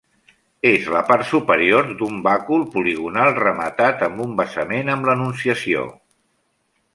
És la part superior d'un bàcul poligonal rematat amb un basament amb l'Anunciació.